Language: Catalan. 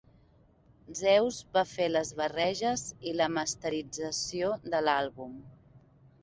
Zeuss va fer les barreges i la masterització de l'àlbum.